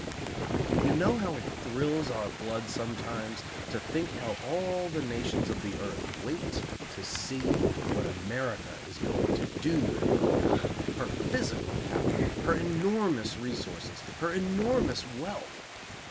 You know how it thrills our blood sometimes to think how all the nations of the earth wait to see what America is going to do with her power, her physical power, her enormous resources, her enormous wealth.